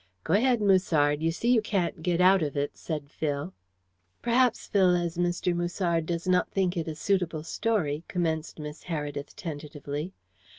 "Go ahead, Musard you see you can't get out of it," said Phil. "Perhaps, Phil, as Mr. Musard does not think it a suitable story " commenced Miss Heredith tentatively.